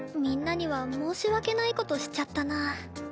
みんなには申し訳ないことしちゃったな。